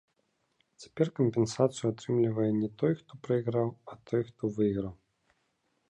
Цяпер кампенсацыю атрымлівае не той, хто прайграў, а той, хто выйграў.